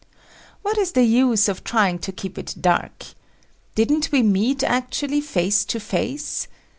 What is the use of trying to keep it dark. Didn't we meet actually face to face?